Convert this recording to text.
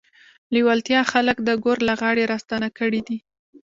لېوالتیا خلک د ګور له غاړې راستانه کړي دي